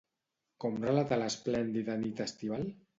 Com relata l'esplèndida nit estival?